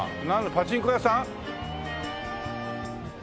パチンコ屋さん？